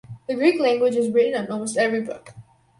The Greek language is written on almost every book.